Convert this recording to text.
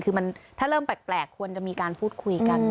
คือมันถ้าเริ่มแปลกควรจะมีการพูดคุยกัน